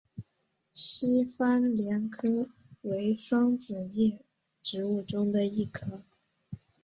西番莲科为双子叶植物中的一科。